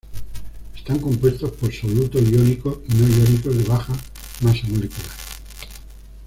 Están compuestas por solutos iónicos y no iónicos de baja masa molecular.